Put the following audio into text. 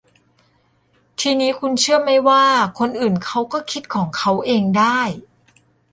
ทีนี้คุณเชื่อไหมว่า คนอื่นเขาก็คิดของเขาเองได้